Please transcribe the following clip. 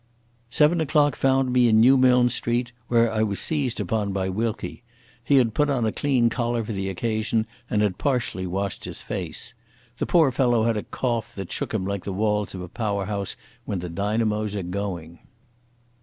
Seven o'clock found me in Newmilns Street, where I was seized upon by Wilkie. He had put on a clean collar for the occasion and had partially washed his thin face. The poor fellow had a cough that shook him like the walls of a power house when the dynamos are going.